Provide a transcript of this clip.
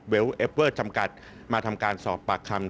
เอฟเวอร์จำกัดมาทำการสอบปากคำ